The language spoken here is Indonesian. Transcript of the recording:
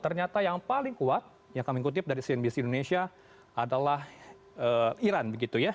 ternyata yang paling kuat yang kami kutip dari cnbc indonesia adalah iran